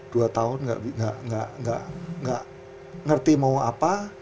dua tahun nggak ngerti mau apa